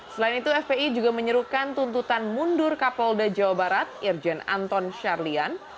selain itu fpi juga menyerukan tuntutan mundur kapolda jawa barat irjen anton sharlian